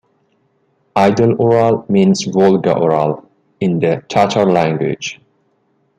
"Idel-Ural" means "Volga-Ural" in the Tatar language.